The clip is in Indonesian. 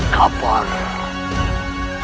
kamu harus memberitahu kepadaku